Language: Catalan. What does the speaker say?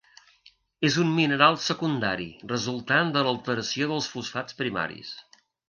És un mineral secundari resultant de l'alteració dels fosfats primaris.